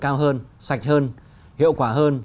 cao hơn sạch hơn hiệu quả hơn